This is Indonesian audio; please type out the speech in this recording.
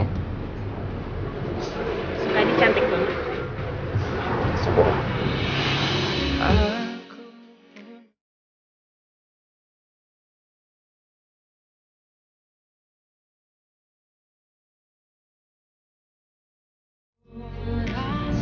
suka ini cantik banget